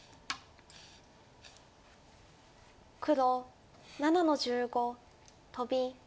黒７の十五トビ。